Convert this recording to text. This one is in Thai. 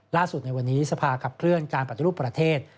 ในวันนี้สภาขับเคลื่อนการปฏิรูปประเทศ